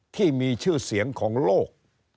ที่มีชื่อเสียงของโลก